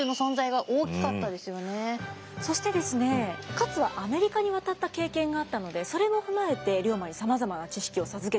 勝はアメリカに渡った経験があったのでそれも踏まえて龍馬にさまざまな知識を授けています。